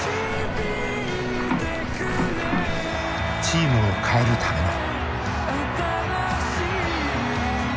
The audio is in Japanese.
チームを変えるための。